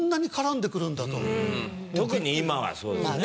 特に今はそうですね。